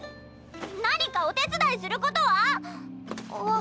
何かお手伝いすることは⁉あっ。